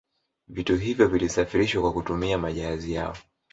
Vitu hivyo vilisafirishwa kwa kutumia majahazi yao